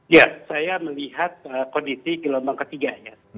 ya saya melihat kondisi gelombang ketiganya